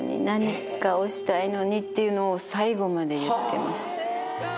何かをしたいのにっていうのを最期まで言ってました。